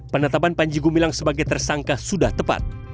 penetapan panjegu bilang sebagai tersangka sudah tepat